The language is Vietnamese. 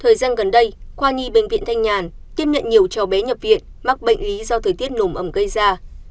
thời gian gần đây khoa nhi bệnh viện thanh nhàn tiếp nhận nhiều cháu bé nhập viện mắc bệnh lý do thời tiết nồm ẩm gây ra